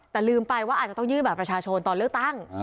แต่ลืมไปว่าอาจจะต้องยื่นบัตรประชาชนตอนเลือกตั้ง